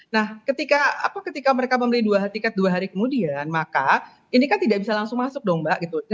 nah ketika mereka membeli dua tiket dua hari kemudian maka ini kan tidak bisa langsung masuk dong mbak gitu